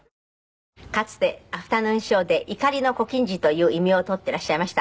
かつて『アフタヌーンショー』で怒りの小金治という異名を取っていらっしゃいました。